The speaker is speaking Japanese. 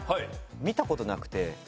見たことなくて。